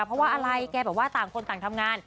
เพราะว่าอะไรแกบอกว่าต่างคนต่างทำงาน